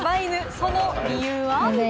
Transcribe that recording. その理由は。